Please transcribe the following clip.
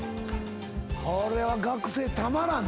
これは学生たまらんな。